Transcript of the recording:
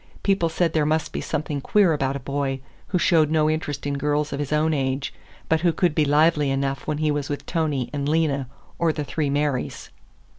People said there must be something queer about a boy who showed no interest in girls of his own age, but who could be lively enough when he was with Tony and Lena or the three Marys.